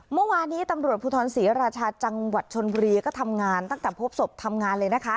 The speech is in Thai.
เมื่อวานนี้ตำรวจภูทรศรีราชาจังหวัดชนบุรีก็ทำงานตั้งแต่พบศพทำงานเลยนะคะ